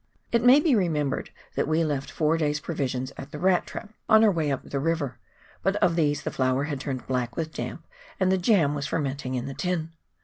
It may be remembered that we left four days' provisions at the E at trap on our way up the river, but of these the flour had turned black with damp, and the jam was fermenting in the tin.